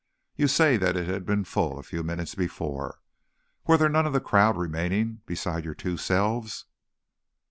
You say that it had been full a few minutes before. Were there none of the crowd remaining besides your two selves?"